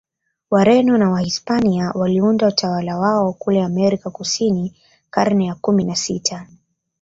Wareno na Wahispania waliunda utawala wao kule Amerika Kusini karne ya kumi na sita